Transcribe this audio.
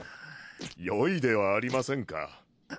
よいではありませんか。